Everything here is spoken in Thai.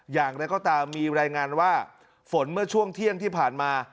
อย่างไรก็ตามมีรายงานว่าฝนเมื่อช่วงเที่ยงที่ผ่านมา